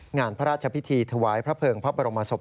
งานพระราชพิธีถวายพระเภิงพระบรมศพ